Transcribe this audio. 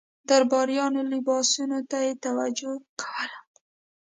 درباریانو لباسونو ته یې توجه کوله.